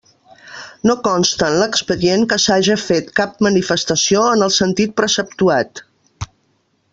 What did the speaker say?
No consta en l'expedient que s'haja fet cap manifestació en el sentit preceptuat.